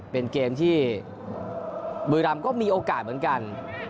เป็นเกมที่บุรีรำก็มีโอกาสเหมือนกัน